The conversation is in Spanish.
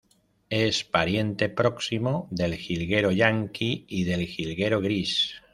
Es pariente próximo del jilguero yanqui y del jilguero gris.